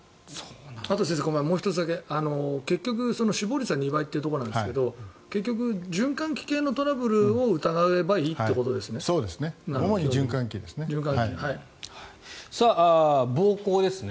あと、もう１つだけ結局、死亡率が２倍というところなんですけど循環器系のトラブルを疑えばいいということですね？